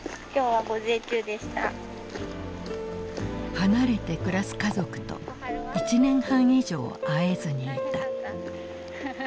離れて暮らす家族と１年半以上会えずにいた。